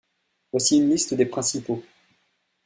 Voici une liste des principaux.